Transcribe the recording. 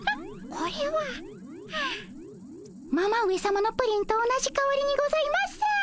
はあママ上さまのプリンと同じかおりにございます。